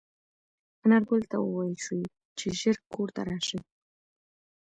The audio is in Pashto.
انارګل ته وویل شول چې ژر کور ته راشي.